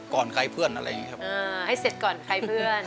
ใครเพื่อนอะไรอย่างนี้ครับอ่าให้เสร็จก่อนใครเพื่อน